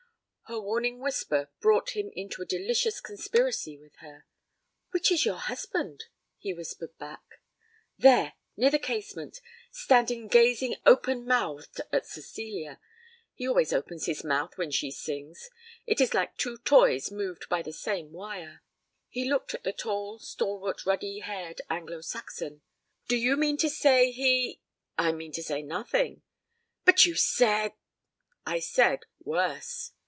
Her warning whisper brought him into a delicious conspiracy with her. 'Which is your husband?' he whispered back. 'There! Near the casement, standing gazing open mouthed at Cecilia. He always opens his mouth when she sings. It is like two toys moved by the same wire.' He looked at the tall, stalwart, ruddy haired Anglo Saxon. 'Do you mean to say he ?' 'I mean to say nothing.' 'But you said ' 'I said "worse".'